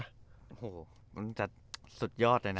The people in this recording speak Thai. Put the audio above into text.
โอ้โหมันจะสุดยอดเลยนะ